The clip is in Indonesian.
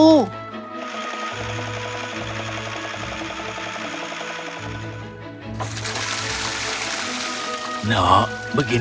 aku akan mencari tempat untuk membuatnya bekerja